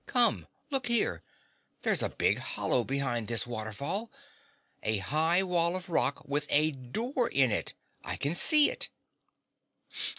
"Come! Look here! There's a big hollow behind this waterfall a high wall of rock with a door in it! I can see it!"